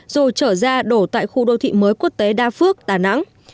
rồi trở ra đổ tại khu đô thị mới quốc tế đa phước đà nẵng